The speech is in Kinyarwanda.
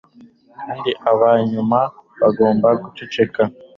Kandi aba nyuma bagomba guceceka